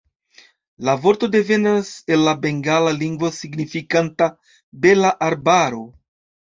La vorto devenas el la bengala lingvo signifanta "bela arbaro".